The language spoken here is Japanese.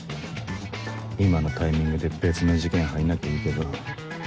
今のタイミングで別の事件入んなきゃいいけど